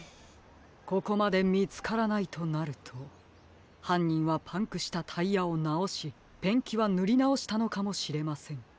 ここまでみつからないとなるとはんにんはパンクしたタイヤをなおしペンキはぬりなおしたのかもしれません。